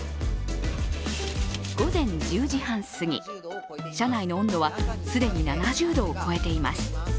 午前１０時半すぎ、車内の温度は既に７０度を超えています。